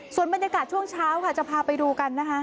ส่วนบรรยากาศช่วงเช้าค่ะจะพาไปดูกันนะคะ